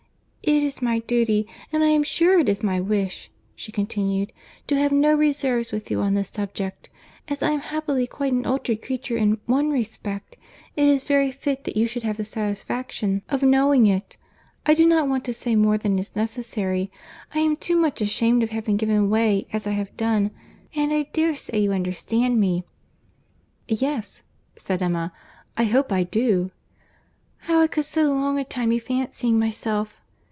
"It is my duty, and I am sure it is my wish," she continued, "to have no reserves with you on this subject. As I am happily quite an altered creature in one respect, it is very fit that you should have the satisfaction of knowing it. I do not want to say more than is necessary—I am too much ashamed of having given way as I have done, and I dare say you understand me." "Yes," said Emma, "I hope I do." "How I could so long a time be fancying myself!..."